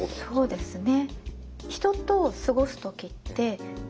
そうですね。